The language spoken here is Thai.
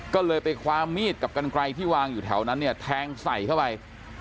ก็เลยไปคว้ามีดกับกันไกลที่วางอยู่แถวนั้นเนี่ยแทงใส่เข้าไป